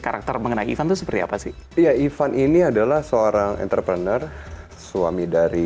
karakter mengenai ivan itu seperti apa sih iya ivan ini adalah seorang entrepreneur suami dari